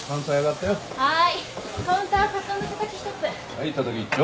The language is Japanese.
はいたたき１丁。